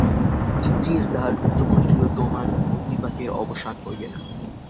ইন্দ্রিয়ের দ্বার রুদ্ধ করিলেও তোমার ঘূর্ণিপাকের অবসান হইবে না।